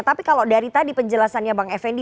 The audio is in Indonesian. tapi kalau dari tadi penjelasannya bang effendi